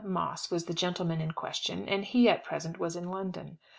Moss was the gentleman in question, and he at present was in London.